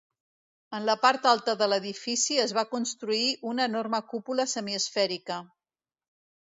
En la part alta de l'edifici es va construir una enorme cúpula semiesfèrica.